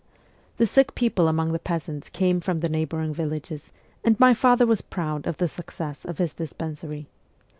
The sick people among the peasants came from the neighbouring villages, and my father was proud of the success of his dispensary.